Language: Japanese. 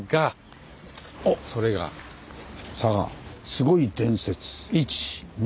すごい伝説１・２。